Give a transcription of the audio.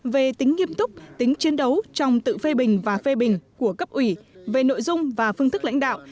về tính nghiêm túc tính chiến đấu trong tự phê bình và phê bình của cấp ủy về nội dung và phương thức lãnh đạo